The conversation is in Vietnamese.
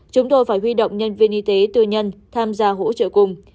chúng tôi phải huy động nhân viên y tế tư nhân tham gia hỗ trợ cùng